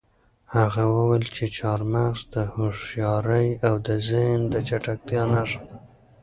هغه وویل چې چهارمغز د هوښیارۍ او د ذهن د چټکتیا نښه ده.